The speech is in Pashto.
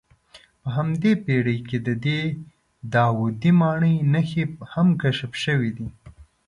په همدې پېړۍ کې د دې داودي ماڼۍ نښې هم کشف شوې دي.